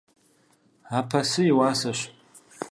Апэсы и уасэщ.